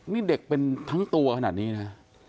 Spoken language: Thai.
นี่เด็กเป็นทั้งตัวขนาดนี้นะ